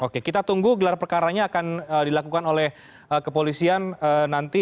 oke kita tunggu gelar perkaranya akan dilakukan oleh kepolisian nanti